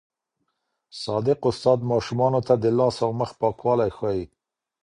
صادق استاد ماشومانو ته د لاس او مخ پاکوالی ښووي.